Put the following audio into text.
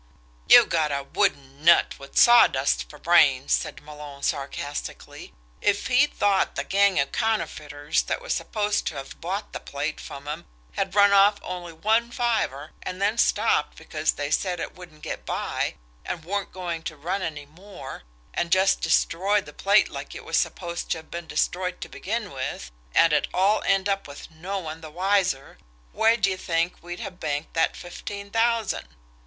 "You got a wooden nut, with sawdust for brains," said Malone sarcastically. "If he'd thought the gang of counterfeiters that was supposed to have bought the plate from him had run off only one fiver and then stopped because they say it wouldn't get by, and weren't going to run any more, and just destroy the plate like it was supposed to have been destroyed to begin with, and it all end up with no one the wiser, where d'ye think we'd have banked that fifteen thousand!